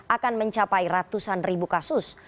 akan mencapai ratusan ribu kasus